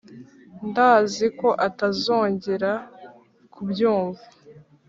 ndaziko atazangora kubyumva.